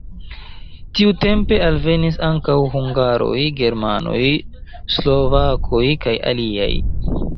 Tiutempe alvenis ankaŭ hungaroj, germanoj, slovakoj kaj aliaj.